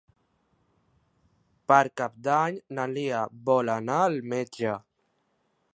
Per Cap d'Any na Lia vol anar al metge.